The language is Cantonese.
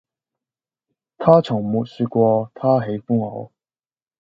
他從沒說過他喜歡我